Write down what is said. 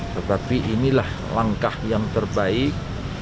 tetapi inilah langkah yang terbaik